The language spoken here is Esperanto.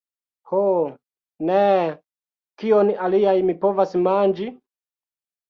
Ho, neeeee... kion alian mi povas manĝi?